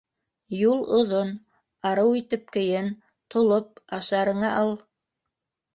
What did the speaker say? Юл оҙон, арыу итеп кейен, толоп, ашарыңа ал.